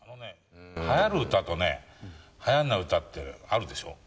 はやる歌とね、はやんない歌ってあるでしょ。